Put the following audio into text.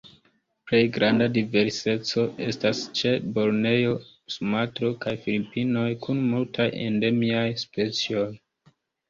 Plej granda diverseco estas ĉe Borneo, Sumatro, kaj Filipinoj, kun multaj endemiaj specioj.